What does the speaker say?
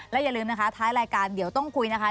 อย่าลืมนะคะท้ายรายการเดี๋ยวต้องคุยนะคะ